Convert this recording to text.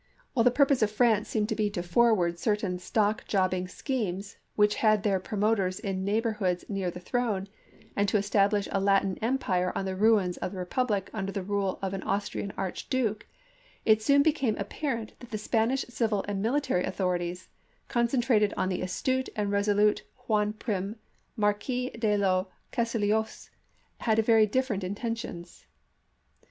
While the pur pose of France seemed to be to forward certain stock jobbing schemes which had their promoters in neighborhoods near the throne, and to establish a Latin empire on the ruins of the republic under the rule of an Austrian archduke, it soon became apparent that the Spanish civil and military author ity, concentrated in the astute and resolute Juan Prim, Marquis de los Castillejos, had very different intentions.